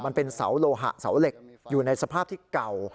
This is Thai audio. มันเป็นเสาโลหะเสาเหล็กอยู่ในสภาพที่เก่า